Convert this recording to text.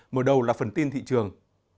mở đầu là phần tin thị trường